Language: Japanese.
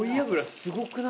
すごくない？